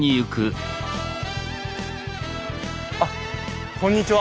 あっこんにちは。